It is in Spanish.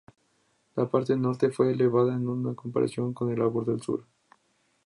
La parte norte fue elevada en comparación con el lado sur.